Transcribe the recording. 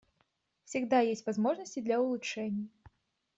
Всегда есть возможности для улучшений.